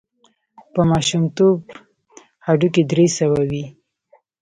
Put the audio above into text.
په ماشومتوب هډوکي درې سوه وي.